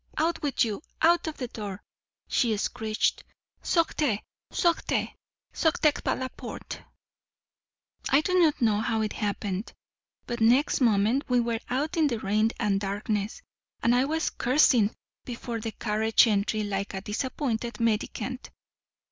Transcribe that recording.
'Out with you—out of the door!' she screeched. 'Sortez! sortez! sortez par la porte!' I do not know how it happened, but next moment we were out in the rain and darkness, and I was cursing before the carriage entry like a disappointed mendicant.